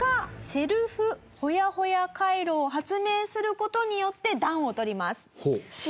セルフほやほやカイロを発明する事によって暖を取ります。